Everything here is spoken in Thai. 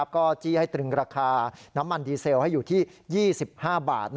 ก็จี้ให้ตรึงราคาน้ำมันดีเซลให้อยู่ที่๒๕บาท